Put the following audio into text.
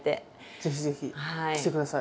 ぜひぜひ来てください。